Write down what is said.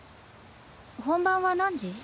本番は何時？